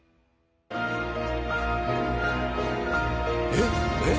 えっえっ？